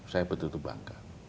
saya betul betul bangga